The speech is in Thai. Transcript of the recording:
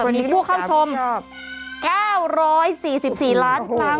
มีผู้เข้าชม๙๔๔ล้านครั้ง